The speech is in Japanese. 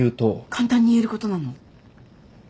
簡単に言えることなの？